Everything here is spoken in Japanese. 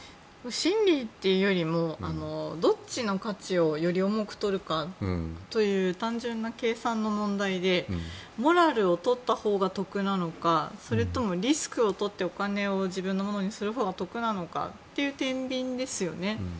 心理っていうよりもどっちの価値をより重くとるかという単純な計算の問題でモラルを取ったほうが得なのかそれともリスクをとってお金を自分のものにするほうが得なのかという天秤ですよね。